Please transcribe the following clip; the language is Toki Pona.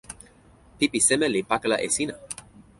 pipi seme li pakala e sina?